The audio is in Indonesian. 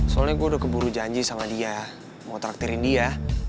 soalnya gue udah keburu janji sama dia mau traktirin dia